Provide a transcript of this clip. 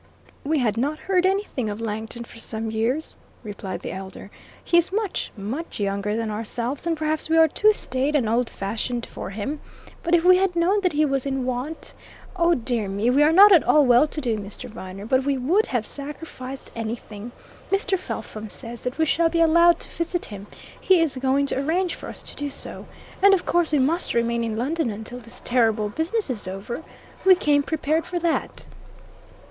"We had not heard anything of Langton for some years," replied the elder. "He is much much younger than ourselves, and perhaps we are too staid and old fashioned for him. But if we had known that he was in want! Oh, dear me, we are not at all well to do, Mr. Viner, but we would have sacrificed anything. Mr. Felpham says that we shall be allowed to visit him he is going to arrange for us to do so. And of course we must remain in London until this terrible business is over we came prepared for that."